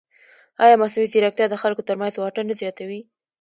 ایا مصنوعي ځیرکتیا د خلکو ترمنځ واټن نه زیاتوي؟